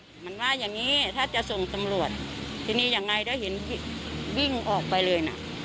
เหมือนว่าอย่างงี้ถ้าจะส่งตำรวจทีนี้ยังไงถ้าเห็นวิ่งออกไปเลยน่ะ